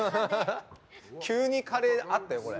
急にカレーがあったよ。